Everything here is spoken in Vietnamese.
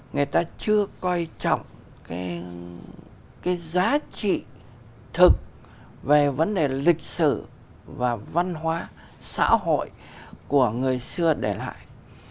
người ta chưa coi trọng cái giá trị thực về vấn đề lịch sử và văn hóa xã hội của người xưa để lại